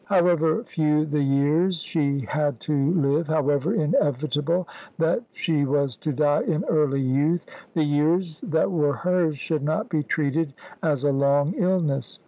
However few the years she had to live, however inevitable that she was to die in early youth the years that were hers should not be treated as a long illness.